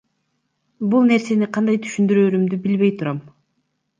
Бул нерсени кандай түшүндүрөөрүмдү билбей турам.